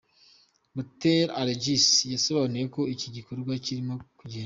Butera Alegisi, yasobanuye uko iki gikorwa kirimo kugenda.